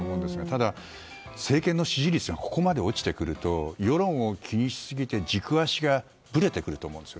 ただ、政権の支持率がここまで落ちてくると世論を気にしすぎて軸足がぶれてくると思うんです。